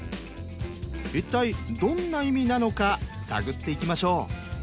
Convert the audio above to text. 一体どんな意味なのか探っていきましょう。